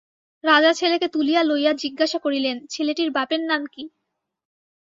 রাজা ছেলেকে তুলিয়া লইয়া জিজ্ঞাসা করিলেন, ছেলেটির বাপের নাম কী।